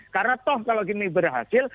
karena toh kalau gini berhasil